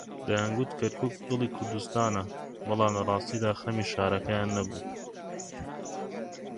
دەیانگوت کەرکووک دڵی کوردستانە، بەڵام لەڕاستیدا خەمی شارەکەیان نەبوو.